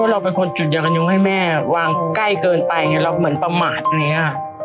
เพราะเราเป็นคนจุดยากนิ้วให้แม่วางใกล้เกินไปเราเหมือนประหมาติอย่างนี้ค่ะ